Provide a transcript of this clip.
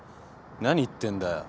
何言ってんだよ。